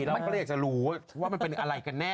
มันก็เลยอยากจะรู้ว่ามันเป็นอะไรกันแน่